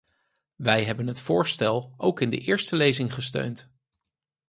Wij hebben het voorstel ook in de eerste lezing gesteund.